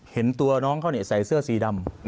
เห็นตัวน้องเขาใส่เสื้อสีดำ